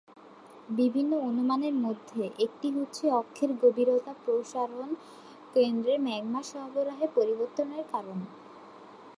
বিভিন্ন অনুমানের মধ্যে একটি হচ্ছে অক্ষের গভীরতা প্রসারণ কেন্দ্রের ম্যাগমা সরবরাহে পরিবর্তনের কারণ।